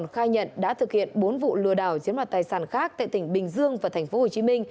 khai nhận đã thực hiện bốn vụ lừa đảo chiếm đoạt tài sản khác tại tỉnh bình dương và tp hcm